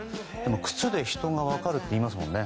靴で人が分かるって言いますもんね。